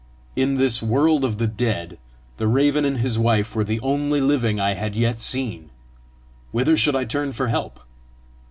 In this world of the dead, the raven and his wife were the only living I had yet seen: whither should I turn for help?